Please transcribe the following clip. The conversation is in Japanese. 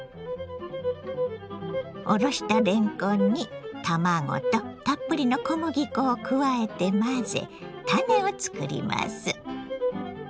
おろしたれんこんに卵とたっぷりの小麦粉を加えて混ぜたねをつくります。